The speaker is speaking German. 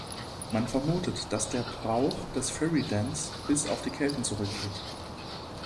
Man vermutet, dass der Brauch des Furry Dance bis auf die Kelten zurückgeht.